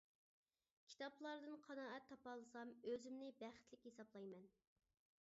كىتابلاردىن قانائەت تاپالىسام ئۆزۈمنى بەختلىك ھېسابلايمەن.